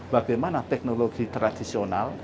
bagaimana teknologi tradisional